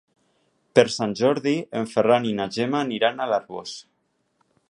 Per Sant Jordi en Ferran i na Gemma aniran a l'Arboç.